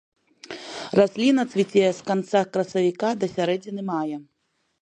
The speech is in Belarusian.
Расліна цвіце з канца красавіка да сярэдзіны мая.